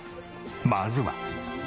まずは。